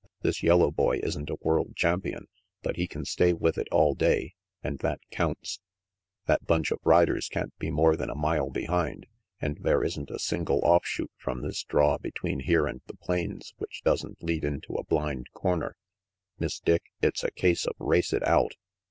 "This yellow boy isn't a world champion, but he can stay with it all day, and that counts. That bunch of riders can't be more than a mile behind, and there isn't a single offshoot from this draw between here and the plains which doesn't lead into a blind corner. Miss Dick, it's a case of race it out."